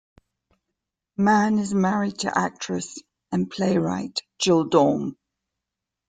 Mann is married to actress and playwright Jill Daum.